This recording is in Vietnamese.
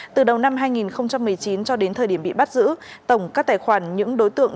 từ đầu năm hai nghìn một mươi chín cho đến thời điểm bị bắt giữ tổng các tài khoản những đối tượng